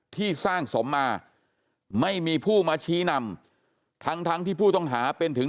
ที่สร้างสมมาไม่มีผู้มาชี้นำทั้งที่ผู้ต้องหาเป็นถึง